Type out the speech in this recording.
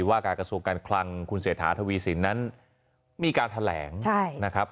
ว่าการกระทรวงการคลังคุณเศรษฐาทวีสินนั้นมีการแถลงนะครับ